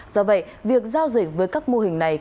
do vậy việc giao dịch với các mô hình này